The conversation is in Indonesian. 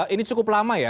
ini cukup lama ya